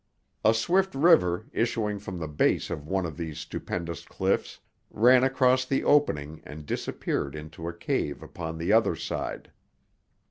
A swift river, issuing from the base of one of these stupendous cliffs, ran across the opening and disappeared into a cave upon the other side.